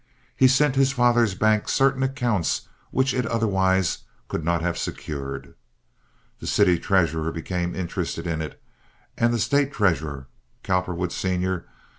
He sent his father's bank certain accounts which it otherwise could not have secured. The city treasurer became interested in it, and the State treasurer. Cowperwood, Sr.